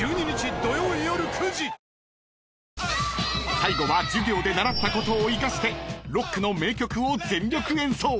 ［最後は授業で習ったことを生かしてロックの名曲を全力演奏。